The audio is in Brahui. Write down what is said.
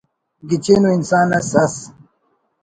گچین ءُ انسان اس ئس